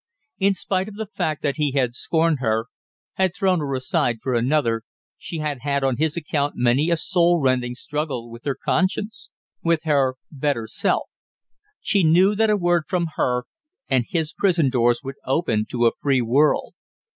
In spite of the fact that he had scorned her, had thrown her aside for another, she had had on his account many a soul rending struggle with her conscience, with her better self. She knew that a word from her, and his prison doors would open to a free world.